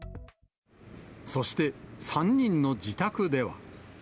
そして３人の自宅では。